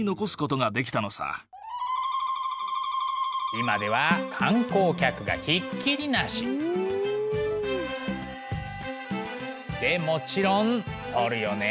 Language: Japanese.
今では観光客がひっきりなし。でもちろん撮るよね。